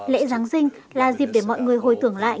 lễ giáng sinh là dịp để mọi người hồi tưởng lại